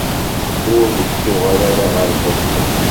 Ur nettuɣal ara ɣer Boston.